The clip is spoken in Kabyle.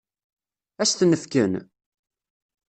Ad s-ten-fken?